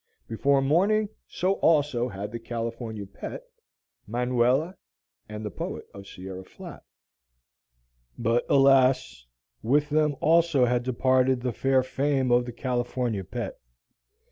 Before morning so also had the "California Pet," Manuela, and the poet of Sierra Flat. But, alas! with them also had departed the fair fame of the "California Pet."